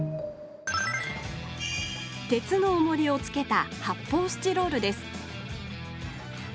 鉄のおもりをつけたはっぽうスチロールです